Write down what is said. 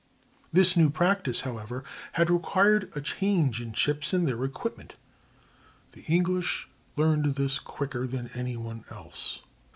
] This new practice, however, had required a change in ships and their equipment. The English learned this quicker than any one else.